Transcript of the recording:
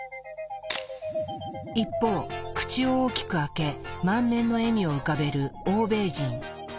一方口を大きく開け満面の笑みを浮かべる欧米人。